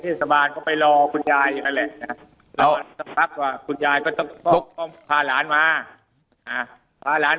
เทศบาลไม่รอคุณยายนะแหละก็ประก็คุณยายก็พาหลาน